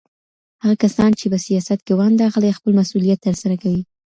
هغه کسان چي په سياست کي ونډه اخلي خپل مسؤليت ترسره کوي.